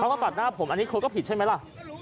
มาปัดหน้าผมอันนี้คนก็ผิดใช่ไหมล่ะ